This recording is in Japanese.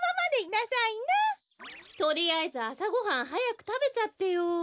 とりあえずあさごはんはやくたべちゃってよ。